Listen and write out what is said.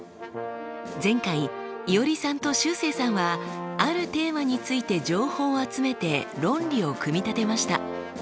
前回いおりさんとしゅうせいさんはあるテーマについて情報を集めて論理を組み立てました。